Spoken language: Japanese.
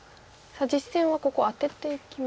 実戦はここアテていきましたね。